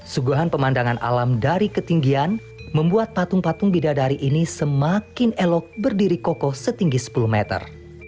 suguhan pemandangan alam dari ketinggian membuat patung patung bidadari ini semakin elok berdiri kokoh setinggi sepuluh meter